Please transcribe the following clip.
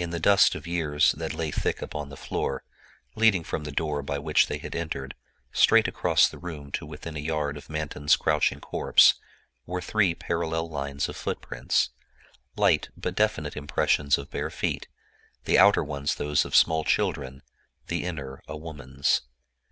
In the dust of years that lay thick upon the floor—leading from the door by which they had entered, straight across the room to within a yard of Manton's crouching corpse—were three parallel lines of footprints—light but definite impressions of bare feet, the outer ones those of small children, the inner a woman's.